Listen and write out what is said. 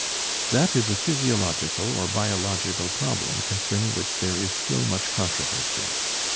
That is a physiological or biological problem concerning which there is still much controversy.